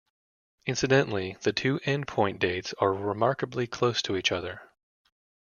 Incidentally, the two end point dates are remarkably close to each other.